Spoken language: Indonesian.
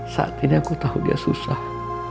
saat ini aku tahu dia susah